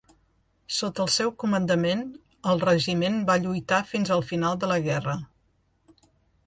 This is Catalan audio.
Sota el seu comandament, el regiment va lluitar fins al final de la guerra.